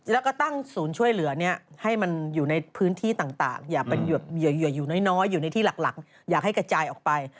แล้วก็ตั้งศูนย์ช่วยเหลือให้มันอยู่ในพื้นที่ต่างอย่าเป็นเหยื่ออยู่น้อยอยู่ในที่หลักอยากให้กระจายออกไป